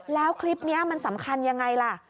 แล้วคลิปนี้มันสำคัญยังไงล่ะ